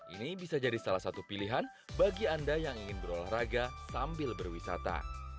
ini bisa jadi salah satu pilihan bagi anda yang ingin berolahraga sambil berwisata